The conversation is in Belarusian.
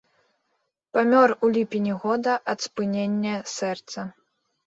Памёр у ліпені года ад спынення сэрца.